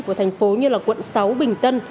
của thành phố như là quận sáu bình tân